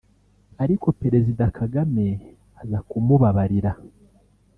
ariko Perezida Kagame aza kumubabarira